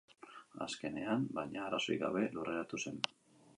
Azkenean, baina, arazorik gabe lurreratu zen.